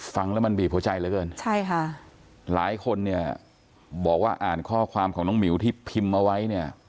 ฟังแล้วมันบีบหัวใจเหลือเกินหลายคนบอกว่าอ่านข้อความของน้องหมิวที่พิมพ์มาไว้